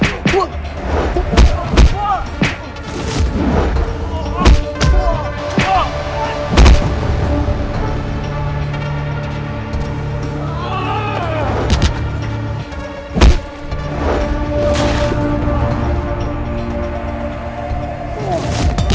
aku denger katimu